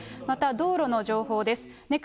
また道路の情報です。